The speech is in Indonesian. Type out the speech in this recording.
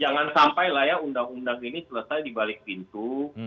jangan sampai lah ya undang undang ini selesai di balik pintu